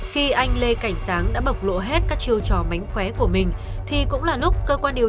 khi anh lê cảnh sáng đã bộc lộ hết các chiêu trò mánh khóe của mình thì cũng là lúc cơ quan điều